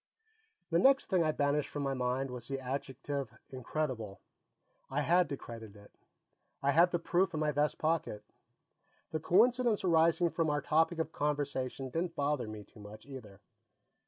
The next thing I banished from my mind was the adjective "incredible." I had to credit it; I had the proof in my vest pocket. The coincidence arising from our topic of conversation didn't bother me too much, either.